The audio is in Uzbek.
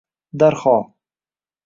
Darhol